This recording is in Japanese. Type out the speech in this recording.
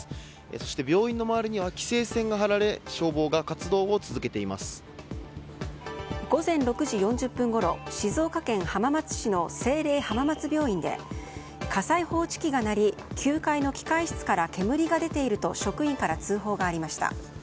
そして、病院の周りには規制線が張られ午前６時４０分ごろ静岡県浜松市の聖隷浜松病院で火災報知機が鳴り９階の機械室から煙が出ていると職員から通報がありました。